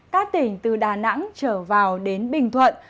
các tỉnh từ đà nẵng trở vào đến bình thuận